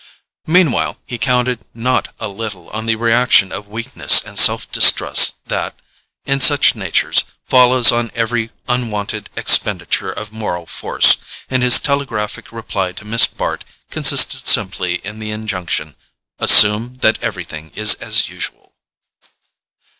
Meanwhile he counted not a little on the reaction of weakness and self distrust that, in such natures, follows on every unwonted expenditure of moral force; and his telegraphic reply to Miss Bart consisted simply in the injunction: "Assume that everything is as usual."